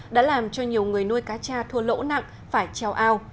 đã làm cho nhiều người nuôi cá cha thua lỗ nặng phải treo ao